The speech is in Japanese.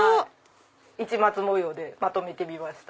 市松模様でまとめてみました。